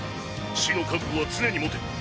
死の覚悟は常に持て。